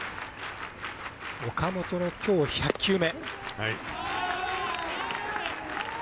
岡本のきょう１００球目。